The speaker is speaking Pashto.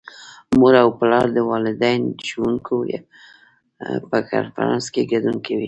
مور او پلار د والدین - ښوونکو په کنفرانس کې ګډون کوي.